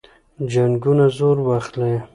جنګونه زور واخلي.